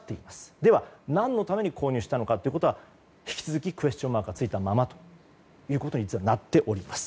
では何のために購入したのかは引き続きクエスチョンマークがついたままになっております。